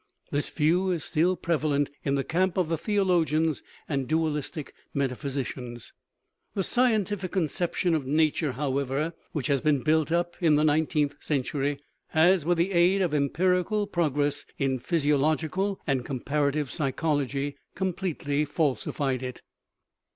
This view is still prevalent in the camp of the theologians and dualistic metaphysicians. The scientific conception of nature, however, which has been built up in the nineteenth century, has, with the aid of empirical prog ress, in physiological and comparative psychology, completely falsified it.